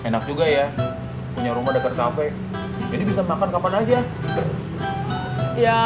sampai jumpa di video selanjutnya